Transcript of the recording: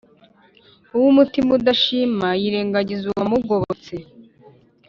uw’umutima udashima yirengagiza uwamugobotse.